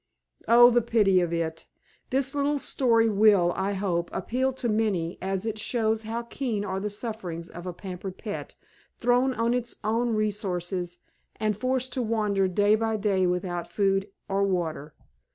Oh, the pity of it! This little story will, I hope, appeal to many, as it shows how keen are the sufferings of a pampered pet, thrown on its own resources and forced to wander day by day without food or water.